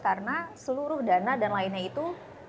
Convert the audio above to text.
karena seluruh dana dan lainnya itu